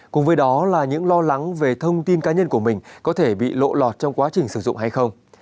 cùng với đó là những lo lắng về thông tin cá nhân của mình có thể bị lộ lọt trong quá trình sử dụng hay không